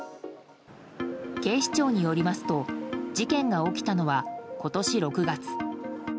警視庁によりますと事件が起きたのは今年６月。